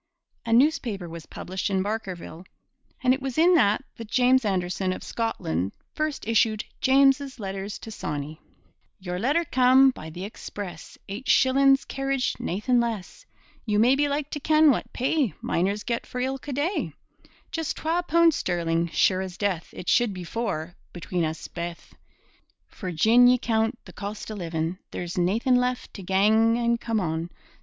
A newspaper was published in Barkerville. And it was in it that James Anderson of Scotland first issued Jeames's Letters to Sawney. Your letter cam' by the express, Eight shillin's carriage, naethin' less! You maybe like to ken what pay Miners get here for ilka day? Jus' twa poond sterling', sure as death It should be four, between us baith For gin ye coont the cost o' livin', There's naethin' left to gang an' come on.